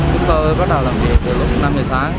chúng tôi bắt đầu làm việc từ lúc năm giờ sáng